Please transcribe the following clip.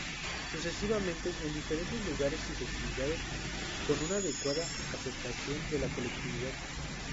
Sucesivamente, en diferentes lugares y festividades, con una adecuada aceptación de la colectividad.